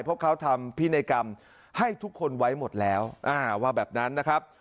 เพราะเขาทำพินัยกรรมให้ทุกคนไว้หมดแล้วว่าแบบนั้นนะครับ